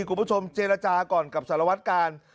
คุณผู้ชมเจรจาก่อนกับสารวัตกาล